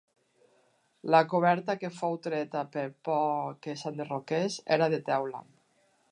La coberta, que fou treta per por que s'enderroqués, era de teula.